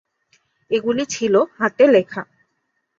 এগুলি ছিল হাতে লেখা।